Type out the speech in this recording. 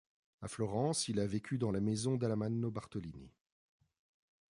À Florence, il a vécu dans la maison d'Alamanno Bartolini.